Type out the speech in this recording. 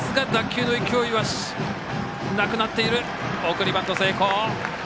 送りバント成功。